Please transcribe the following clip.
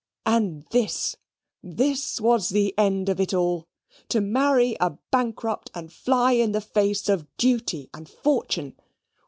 And this, this was the end of all! to marry a bankrupt and fly in the face of duty and fortune!